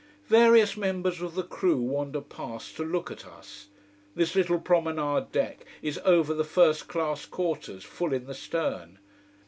Various members of the crew wander past to look at us. This little promenade deck is over the first class quarters, full in the stern.